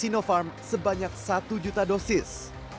sino farm sebanyak satu juta dosis